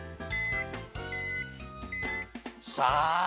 さあ。